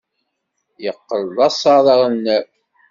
Yeqqel d asaḍ aɣelnaw.